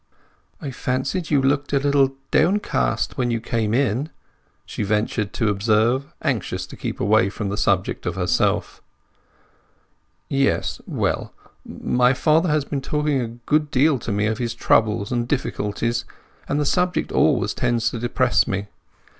"I fancied you looked a little downcast when you came in," she ventured to observe, anxious to keep away from the subject of herself. "Yes—well, my father had been talking a good deal to me of his troubles and difficulties, and the subject always tends to depress me.